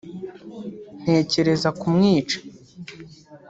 ntekereza kumwica